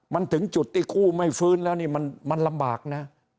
มันถึงจุดที่คู่ไม่ฟื้นแล้วนี่มันลำบากนะ